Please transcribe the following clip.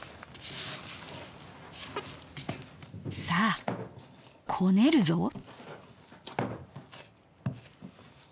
さあこねるぞ！